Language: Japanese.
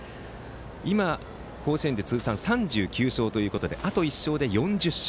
今、甲子園で通算３９勝ということであと１勝で４０勝。